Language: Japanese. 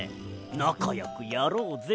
なかよくやろうぜ。